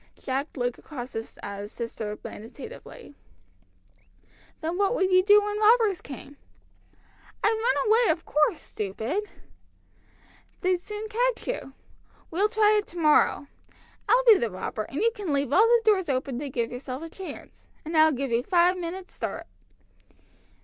Jack looked across at his sister meditatively. "Then what would you do when robbers came?" "I'd run away, of course, stupid!" "They'd soon catch you. We'll try it to morrow. I'll be the robber, and you can leave all the doors open to give yourself a chance, and I'll give you five minutes' start."